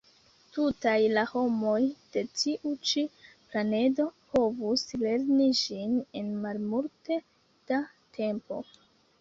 Tutaj la homoj de tiu ĉi planedo povus lerni ĝin en malmulte da tempo.